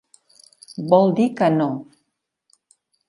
Vol dir que no!